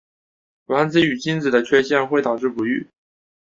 卵子或精子的缺陷会导致不育。